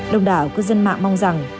đồng đảo cư dân mạng mong rằng